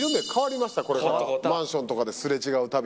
マンションとかで擦れ違うたび。